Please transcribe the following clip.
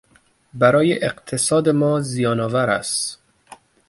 برای اقتصاد ما زیانآور است.